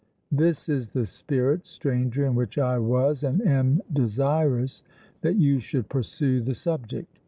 This is the spirit, Stranger, in which I was and am desirous that you should pursue the subject.